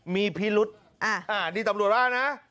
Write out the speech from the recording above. มีพิรุธอ้าวนี่ตำรวจร่านะ